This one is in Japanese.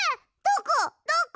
どこ？